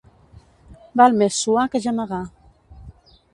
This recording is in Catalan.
Val més suar que gemegar.